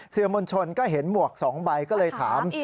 สื่อมวลชนก็เห็นหมวก๒ใบก็เลยถาม